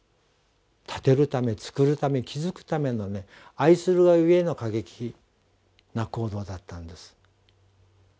建てるためつくるため築くための愛するがゆえの過激な行動だったんです。